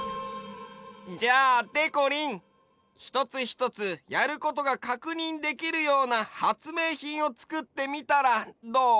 じゃあでこりんひとつひとつやることがかくにんできるような発明品をつくってみたらどう？